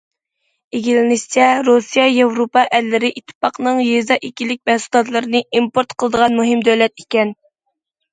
ئىگىلىنىشىچە، رۇسىيە ياۋروپا ئەللىرى ئىتتىپاقىنىڭ يېزا ئىگىلىك مەھسۇلاتلىرىنى ئىمپورت قىلىدىغان مۇھىم دۆلەت ئىكەن.